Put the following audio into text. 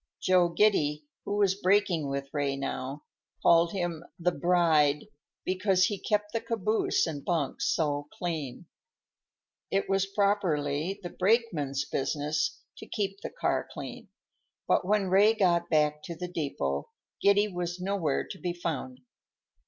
Joe Giddy, who was braking with Ray now, called him "the bride," because he kept the caboose and bunks so clean. It was properly the brakeman's business to keep the car clean, but when Ray got back to the depot, Giddy was nowhere to be found.